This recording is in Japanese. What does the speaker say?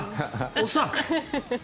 おっさん！